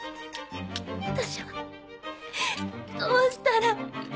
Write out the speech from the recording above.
私はどうしたら。